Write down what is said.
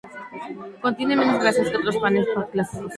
Contiene menos grasas que otros panes clásicos.